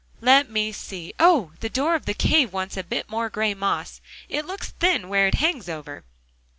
"Let me see oh! the door of the cave wants a bit more of gray moss; it looks thin where it hangs over.